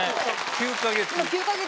９か月？